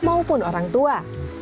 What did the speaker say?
maupun orang tua